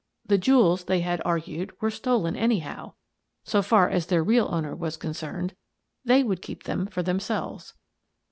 The jewels, they had argued, were stolen, anyhow, so far as their real owner was concerned. They would keep them for themselves.